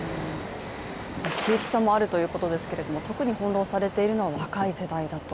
地域差もあるということですが、特に翻弄されているのは若い世代だと。